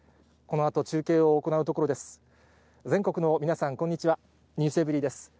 このあと中継を行う所です。